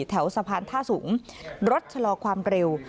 แถวสะพานท่าสูงรถชะลอความเร็ว